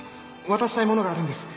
渡したい物があるんです。